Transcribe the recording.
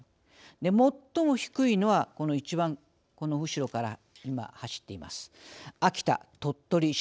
最も低いのは一番後ろから今走っています。